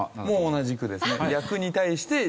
同じくですね。